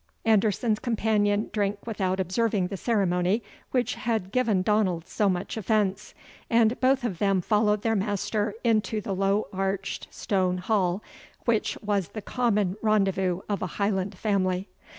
Anderson's companion drank without observing the ceremony which had given Donald so much offence, and both of them followed their master into the low arched stone hall, which was the common rendezvous of a Highland family.